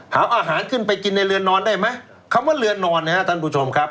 หาอาหารขึ้นไปกินในเรือนนอนได้ไหมคำว่าเรือนนอนนะครับท่านผู้ชมครับ